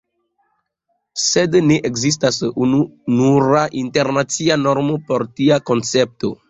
Sed ne ekzistas ununura internacia normo por tia koncepto.